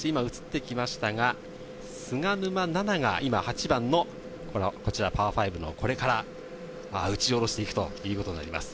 今、映ってきましたが、菅沼菜々が今８番のパー５のこれから、打ち下ろしていくということになります。